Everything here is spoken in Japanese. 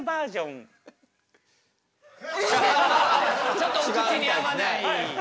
ちょっとお口に合わない。